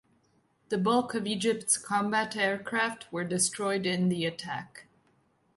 The bulk of Egypt's combat aircraft were destroyed in the attack.